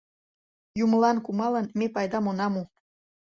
Юмылан кумалын, ме пайдам она му.